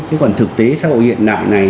chứ còn thực tế sau hiện đại này